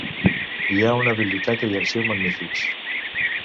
Hi ha una biblioteca i arxiu magnífics.